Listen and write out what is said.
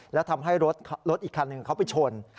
แล้วทำให้รถอีกคันหนึ่งเขาไปชน